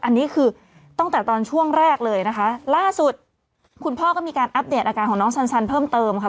อันนี้คือตั้งแต่ตอนช่วงแรกเลยนะคะล่าสุดคุณพ่อก็มีการอัปเดตอาการของน้องสันเพิ่มเติมค่ะ